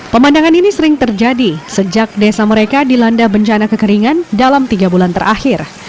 pemandangan ini sering terjadi sejak desa mereka dilanda bencana kekeringan dalam tiga bulan terakhir